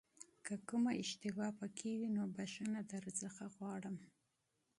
که کومه اشتباه پکې وي نو بښنه درڅخه غواړم.